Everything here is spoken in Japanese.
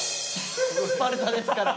スパルタですから。